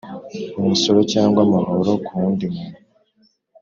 Umusoro cyangwa amahoro ku wundi muntu